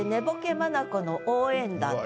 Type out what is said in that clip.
眼の応援団」と。